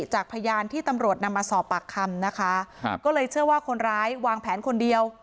จากพยานที่ตำรวจนำมาสอบปากคำนะคะก็เลยเชื่อว่าคนร้ายวางแผนคนเดียว